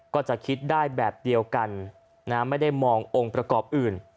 ก็จะคิดได้แบบเดียวกันไม่ได้มององค์ประกอบอื่น